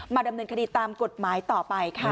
ดำเนินคดีตามกฎหมายต่อไปค่ะ